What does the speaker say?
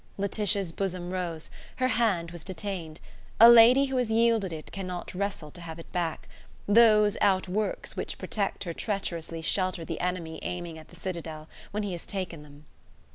Laetitia's bosom rose: her hand was detained: a lady who has yielded it cannot wrestle to have it back; those outworks which protect her treacherously shelter the enemy aiming at the citadel when he has taken them.